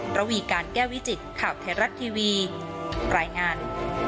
ระวีการแก้วิจิตข่าวไทยรัฐทีวีรายงาน